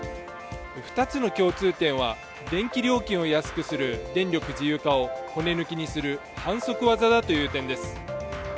２つの共通点は、電気料金を安くする電力自由化を骨抜きにする反則技だという点です。